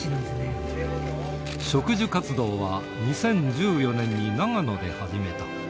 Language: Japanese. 植樹活動は２０１４年に長野で始めた。